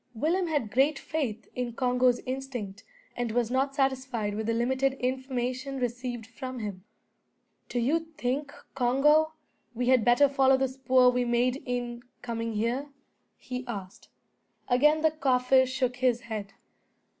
Willem had great faith in Congo's instinct, and was not satisfied with the limited information received from him. "Do you think, Congo, we had better follow the spoor we made in coming here?" he asked. Again the Kaffir shook his head.